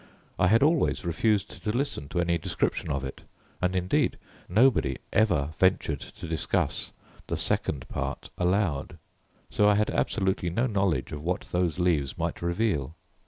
I had always refused to listen to any description of it, and indeed, nobody ever ventured to discuss the second part aloud, so I had absolutely no knowledge of what those leaves might reveal.